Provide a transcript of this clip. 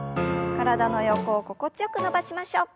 体の横を心地よく伸ばしましょう。